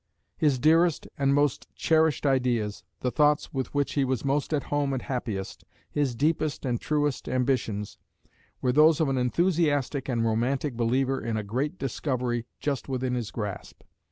His dearest and most cherished ideas, the thoughts with which he was most at home and happiest, his deepest and truest ambitions, were those of an enthusiastic and romantic believer in a great discovery just within his grasp.